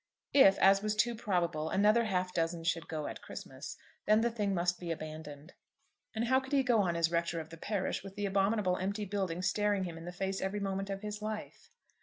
If, as was too probable, another half dozen should go at Christmas, then the thing must be abandoned. And how could he go on as rector of the parish with the abominable empty building staring him in the face every moment of his life.